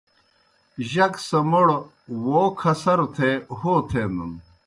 جک سہ موْڑ ”وو کھسروْ“ تھے ہو تھینَن۔